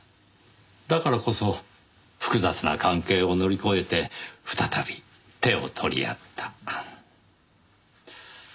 だからこそ複雑な関係を乗り越えて再び手を取り合った。